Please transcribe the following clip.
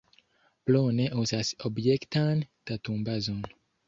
Plone uzas objektan datumbazon.